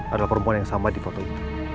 adalah perempuan yang sama di foto itu